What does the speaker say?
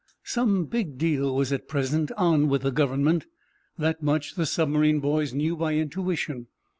Some big deal was at present "on" with the Government. That much the submarine boys knew by intuition.